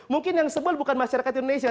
mungkin yang sebel bukan masyarakat indonesia